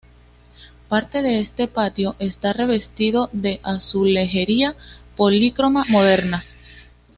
Parte de este patio está revestido de azulejería polícroma moderna.